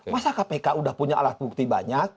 masa kpk sudah punya alat bukti banyak